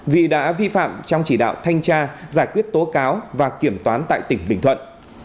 vì đã vi phạm trong chỉ đạo thanh tra giải quyết tố cáo và kiểm toán tại tỉnh bình thuận